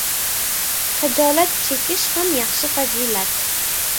Xijolat chekish ham yaxshi fazilat.